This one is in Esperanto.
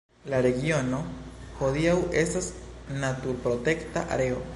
La regiono hodiaŭ estas naturprotekta areo.